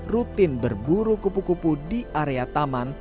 rutin berburu kupu kupu di area taman